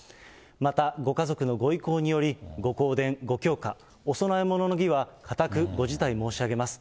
また、ご家族のご意向により、ご香典、ご供花、お供え物の儀はかたくご辞退申し上げます。